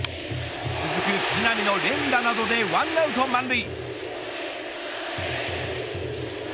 続く木浪の連打などで１アウト満塁。